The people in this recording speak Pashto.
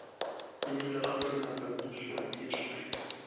د دیني لارښوونو مطابق ژوند تېر کړئ.